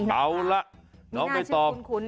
เอาล่ะน้องใบตอง